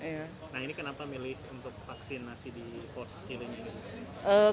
nah ini kenapa milih untuk vaksinasi di pos cilenyi